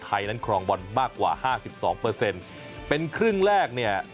นั้นครองบอลมากกว่าห้าสิบสองเปอร์เซ็นต์เป็นครึ่งแรกเนี่ย